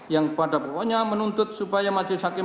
yang pada pokoknya menuntut supaya majelis hakim